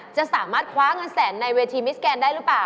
จะสามารถคว้าเงินแสนในเวทีมิสแกนได้หรือเปล่า